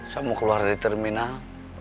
saya mau keluar dari terminal